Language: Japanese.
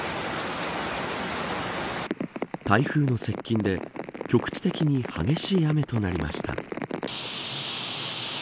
台風の接近で局地的に激しい雨となりました。